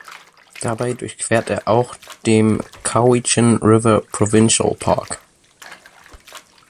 Dabei durchquert er auch dem Cowichan River Provincial Park.